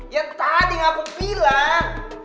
ya tadi yang aku bilang